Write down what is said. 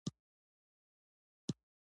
د چلند او فکر بدلولو لپاره مرسته ورسره وشي.